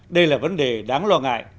đây là vấn đề đáng lo ngại